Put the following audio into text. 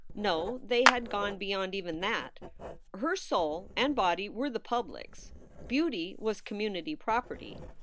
No, they had gone beyond even that. Her soul and body were the pub lic s. Beauty was community property.